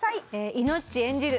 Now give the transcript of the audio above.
イノッチ演じる